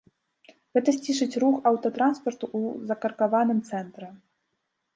Гэта сцішыць рух аўтатранспарту ў закаркаваным цэнтры.